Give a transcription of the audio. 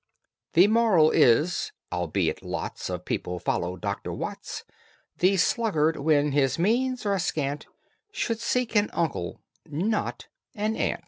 THE MORAL is: Albeit lots Of people follow Dr. Watts, The sluggard, when his means are scant, Should seek an uncle, not an ant!